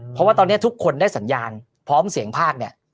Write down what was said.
เพราะว่าตอนนี้ทุกคนได้สัญญาณพร้อมเสียงภาคเนี่ย